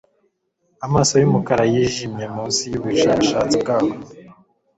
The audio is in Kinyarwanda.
Amaso yumukara yijimye munsi yubushakashatsi bwabo